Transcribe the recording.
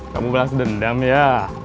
kamu balas dendam ya